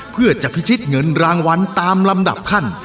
เพื่อจะพิชิตเงินรางวัลตามลำดับขั้น